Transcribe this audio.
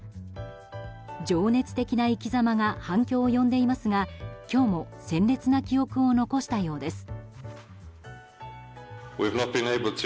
情熱的な生きざまが反響を呼んでいますが今日も鮮烈な記憶を残したようです。